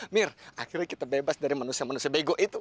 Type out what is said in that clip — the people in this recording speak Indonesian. mir akhirnya kita bebas dari manusia manusia bego itu